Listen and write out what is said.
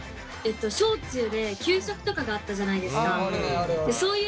小中で給食とかがあったじゃないですか。